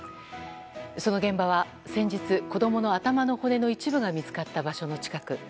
その現場は先日、子供の頭の骨の一部が見つかった場所の近く。